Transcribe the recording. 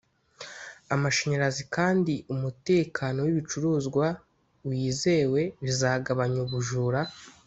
amashanyarazi kandi umutekano w’ibicuruzwa wizewe bizagabanya ubujura